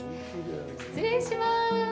失礼します。